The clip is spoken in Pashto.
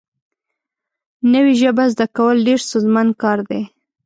نوې ژبه زده کول ډېر ستونزمن کار دی